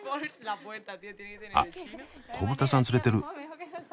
あっ子ブタさん連れてる。